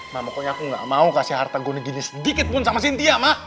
mama pokoknya aku gak mau kasih harta gue gini sedikit pun sama cynthia ma